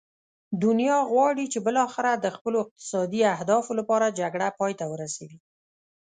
دنیا غواړي چې بالاخره د خپلو اقتصادي اهدافو لپاره جګړه پای ته ورسوي.